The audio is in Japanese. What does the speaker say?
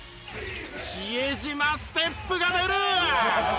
比江島ステップが出る！